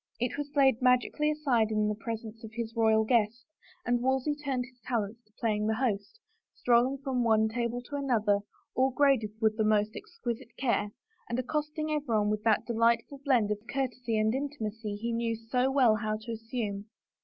It was laid magically aside in the presence of his royal guest and Wolsey turned his talents to playing the host, stroll ing from one table to another, all graded with the most exquisite care, and accosting everyone with that delight ful blend of courtesy and intimacy he knew so well how to assume.